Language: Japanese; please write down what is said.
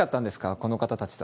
この方たちと。